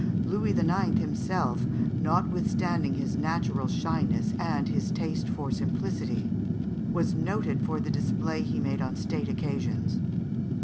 Louis IX. himself, notwithstanding his natural shyness and his taste for simplicity, was noted for the display he made on state occasions.